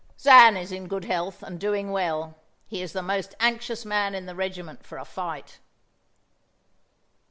"Zan is in good health and doing well. He is the most anxious man in the regiment for a fight."